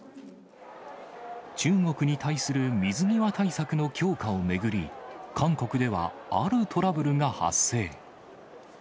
中国に対する水際対策の強化を巡り、韓国ではあるトラブルが発生。